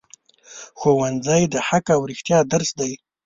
ښوونځی د حق او رښتیا درس دی